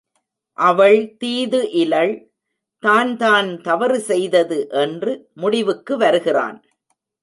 அவள் தீது இலள் தான்தான் தவறு செய்தது என்று முடிவுக்கு வருகிறான்.